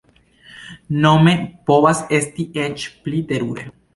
Nome, povas esti eĉ pli terure.